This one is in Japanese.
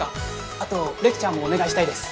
あとレクチャーもお願いしたいです。